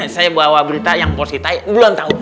saya bawa berita yang positai belum tau